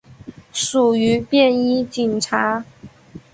属于便衣警察。